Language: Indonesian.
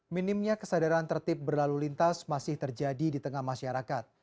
minimnya kesadaran tertib berlalu lintas masih terjadi di tengah masyarakat